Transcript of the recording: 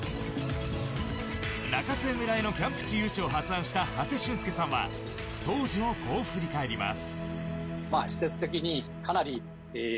中津江村のキャンプ地誘致を発案した長谷俊介さんは当時をこう振り返ります。